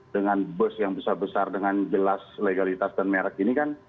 dengan bus yang besar besar dengan jelas legalitas dan merek ini kan